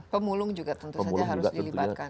pemulung juga tentu saja harus dilibatkan